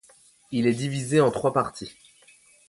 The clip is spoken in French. Il est divisé en trois parties.